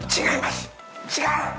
違う！